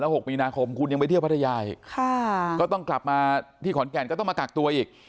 หกมีนาคมคุณยังไปเที่ยวพัทยาอีกค่ะก็ต้องกลับมาที่ขอนแก่นก็ต้องมากักตัวอีก